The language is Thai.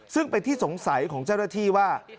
ซึ่งเป็นที่สงสัยของเจ้าหน้าที่ว่า